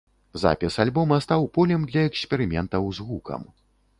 Запіс альбома стаў полем для эксперыментаў з гукам.